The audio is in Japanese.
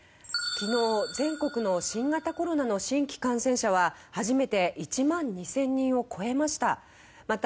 昨日、全国の新型コロナの新規感染者は初めて１万２０００人を超えました。